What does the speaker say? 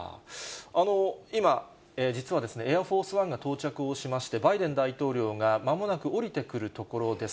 今、実は、エアフォースワンが到着をしまして、バイデン大統領がまもなく降りてくるところです。